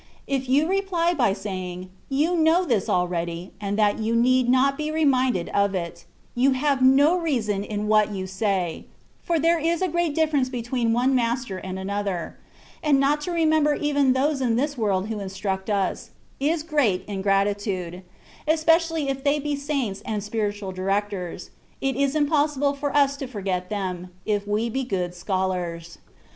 If you reply by saying, ^^ You know this already, and that you need not be re minded of it,^^ you have no reason in what you say : for there is a great diflference between one master and another; and not to remember even those in this world who instruct us, is great ingratitude; especially if they be saints and spiritual directors, it is impossible for us to forget them, if we be good scholars.